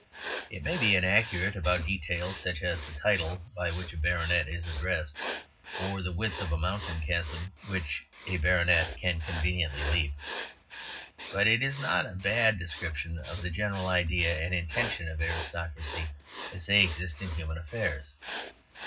It may be inaccurate about details such as the title by which a baronet is addressed or the width of a mountain chasm which a baronet can conveniently leap, but it is not a bad description of the general idea and intention of aristocracy as they exist in human affairs.